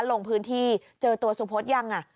ลงพื้นที่เจอตัวสุพธยัง